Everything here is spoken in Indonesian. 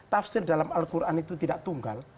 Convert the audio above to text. tafsir dalam al quran itu tidak tunggal